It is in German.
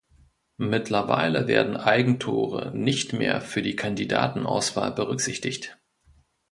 Mittlerweile werden Eigentore nicht mehr für die Kandidatenauswahl berücksichtigt.